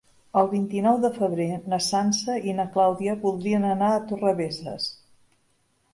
El vint-i-nou de febrer na Sança i na Clàudia voldrien anar a Torrebesses.